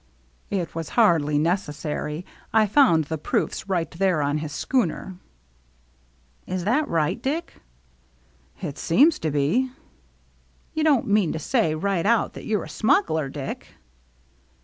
" It was hardly necessary. I found the proofs right there on his schooner." " Is that right, Dick ?"" It seems to be." "You don't mean to say right out that you're a smuggler, Dick?"